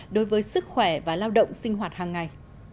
đối với sức khỏe và lao động sinh hoạt hàng ngày